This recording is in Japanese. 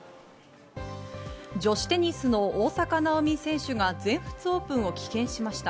女子テニスの大坂なおみ選手が全仏オープンを棄権しました。